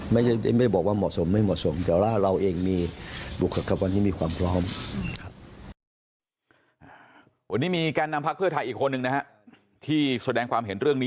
ไม่ได้บอกว่าเหมาะสมไม่เหมาะสมแต่ว่าเราเองมีบุคลากรที่มีความพร้อมครับ